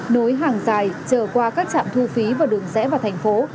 nối hàng dài chờ qua các trạm thu phí và đường rẽ vào thành phố